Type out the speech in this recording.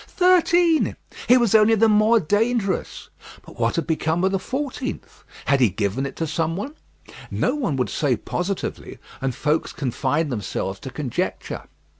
Thirteen! He was only the more dangerous. But what had become of the fourteenth? Had he given it to some one? No one would say positively; and folks confined themselves to conjecture.